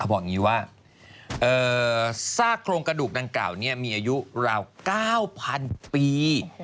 บอกอย่างนี้ว่าซากโครงกระดูกดังกล่าวมีอายุราว๙๐๐ปี